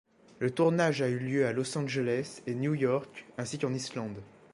Le tournage a eu lieu à Los Angeles et New York ainsi qu'en Islande.